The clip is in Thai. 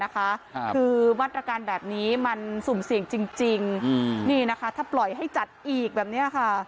คือมาตรการแบบนี้มันสูงเสียงจริงถ้าปล่อยให้จัดอีกแบบนี้